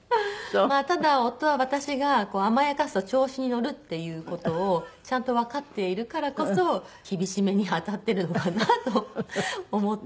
ただ夫は私が甘やかすと調子に乗るっていう事をちゃんとわかっているからこそ厳しめに当たってるのかなと思って。